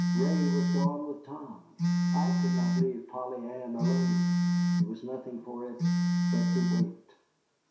Ray was gone with Tom. I could not leave Polly Ann alone. There was nothing for it but to wait.